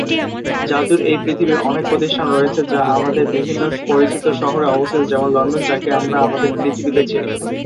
জাদুর এই পৃথিবীর অনেক প্রতিষ্ঠান রয়েছে যা আমাদের বিভিন্ন পরিচিত শহরে অবস্থিত, যেমন লন্ডন, যাকে আমরা আমাদের পৃথিবীতে চিনি।